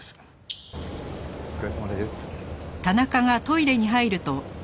お疲れさまです。